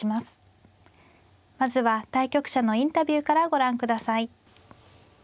まずは対局者のインタビューからご覧ください。